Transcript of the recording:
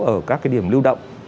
ở các điểm lưu động